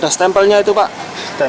ada stempelnya itu pak